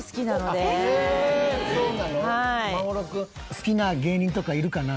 好きな芸人とかいるかな？